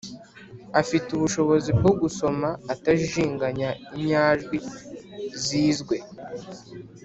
– afite ubushobozi bwo gusoma atajijinganya inyajwi zizwe